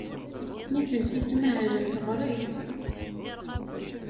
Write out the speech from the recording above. Nitenti ttmahalent ɣer-i.